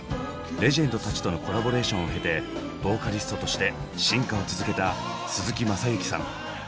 レジェンドたちとのコラボレーションを経てボーカリストとして進化を続けた鈴木雅之さん。